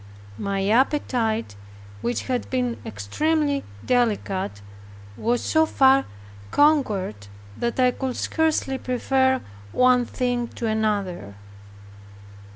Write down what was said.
My appetite, which had been extremely delicate, was so far conquered that I could scarcely prefer one thing to another.